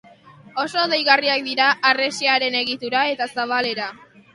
Oso deigarriak dira harresiaren egitura eta zabalera.